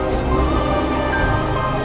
aku harus bisa mendapatkan